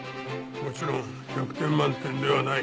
もちろん１００点満点ではない。